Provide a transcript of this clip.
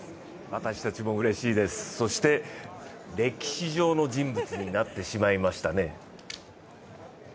私たちもうれしいです、そして歴史上の人物になってしまいましたね。